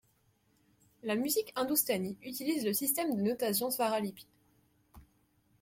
La musique hindoustani utilise le système de notation svaralipī.